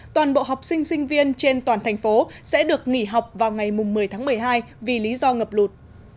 toàn bộ học sinh sinh viên trên toàn thành phố sẽ được nghỉ học vào ngày một mươi tháng một mươi hai vì lý do ngập lụt